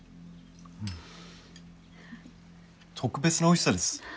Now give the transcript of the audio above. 特別なおいしさです。